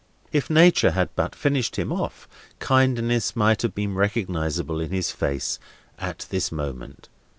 If Nature had but finished him off, kindness might have been recognisable in his face at this moment.